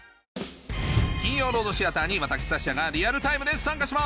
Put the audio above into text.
金曜ロードシアターに私サッシャがリアルタイムで参加します！